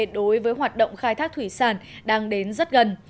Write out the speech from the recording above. đối với hoạt động khai thác thủy sản đang đến rất gần